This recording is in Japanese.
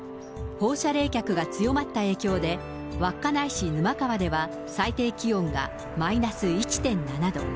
放射冷却が強まった影響で、稚内市ぬまかわでは最低気温がマイナス１．７度。